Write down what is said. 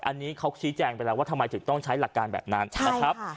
อันนี้เขาชี้แจงไปแล้วว่าทำไมถึงต้องใช้หลักการแบบนั้นนะครับ